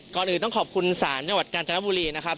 ก่อนอื่นต้องขอบคุณศาลจังหวัดกาญจนบุรีนะครับ